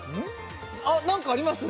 あっ何かありますね